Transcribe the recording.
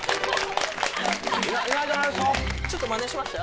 ちょっとマネしました？